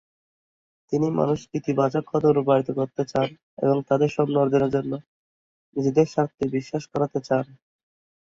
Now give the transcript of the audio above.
তিনি মানুষকে ইতিবাচক হতে অনুপ্রাণিত করতে চান এবং তাদের স্বপ্ন অর্জনের জন্য নিজেদের স্বার্থে বিশ্বাস করাতে চান।